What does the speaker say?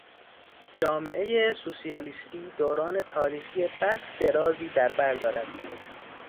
جامعهٔ سوسیالیستی دوران تاریخی بس درازی در بر دارد.